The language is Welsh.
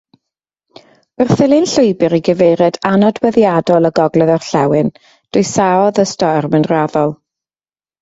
Wrth ddilyn llwybr i gyfeiriad annodweddiadol y gogledd-orllewin, dwysaodd y storm yn raddol.